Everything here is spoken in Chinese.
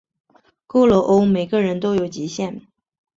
够了喔，每个人都有极限